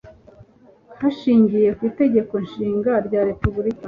hashingiwe ku Itegeko Nshinga rya Repubulika